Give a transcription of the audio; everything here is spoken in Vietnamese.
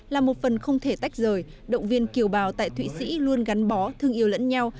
là một phần không thể tách rời động viên kiều bào tại thụy sĩ luôn gắn bó thương yêu lẫn nhau